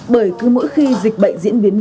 bởi cứ mỗi khi dịch bệnh diễn biến